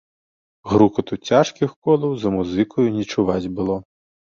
Грукату цяжкіх колаў за музыкаю не чуваць было.